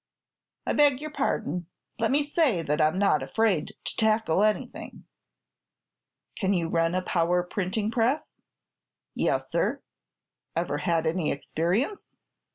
"I beg your pardon. Let me say that I'm not afraid to tackle anything." "Can you run a power printing press?" "Yes, sir." "Ever had any experience?"